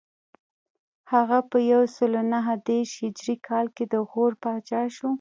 هغه په یو سل نهه دېرش هجري کال کې د غور پاچا شو